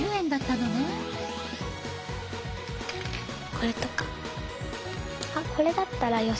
これとか。